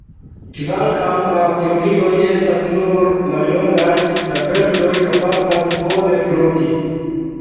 Kvankam la flugiloj estas nur mallongaj, la birdoj kapablas bone flugi.